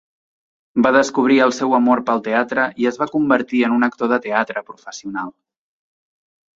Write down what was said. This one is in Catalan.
Va descobrir el seu amor pel teatre i es va convertir en un actor de teatre professional.